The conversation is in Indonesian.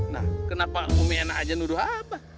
nah kenapa umi enak aja nuduh abah